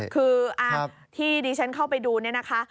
คือที่ดิฉันเข้าไปดูเนี่ยนะคะ